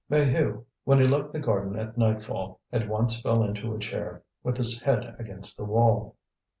Maheu, when he left the garden at nightfall, at once fell into a chair with his head against the wall.